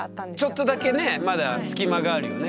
ちょっとだけねまだ隙間があるよね。